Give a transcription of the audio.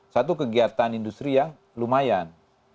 satu kegiatan industri yang lumayan